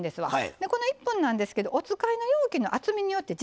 でこの１分なんですけどお使いの容器の厚みによって時間が変わります。